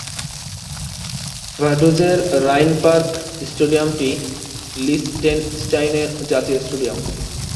ভাডুজের রাইনপার্ক স্টেডিয়ামটি লিচটেনস্টাইনের জাতীয় স্টেডিয়াম।